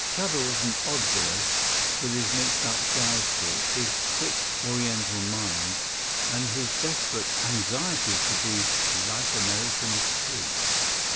Chuba was an odd boy, with his mixed up jive talk, his quick Oriental mind, and his desperate anxiety to be "like American kid."